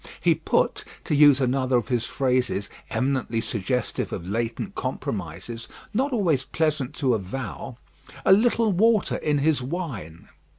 He put to use another of his phrases, eminently suggestive of latent compromises, not always pleasant to avow "a little water in his wine."